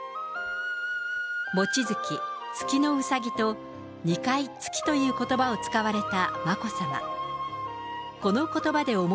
望月、月のうさぎと２回、月ということばを使われた眞子さま。